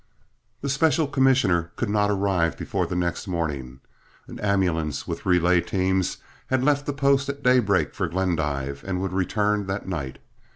The special commissioner could not arrive before the next morning. An ambulance, with relay teams, had left the post at daybreak for Glendive, and would return that night.